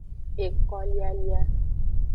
Ekolialia.